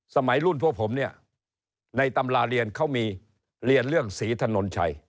สมัยรุ่นพวกผมเนี่ยในตำราเรียนเขามีเรียนเรื่องศรีถนนชัย